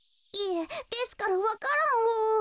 いえですからわか蘭を。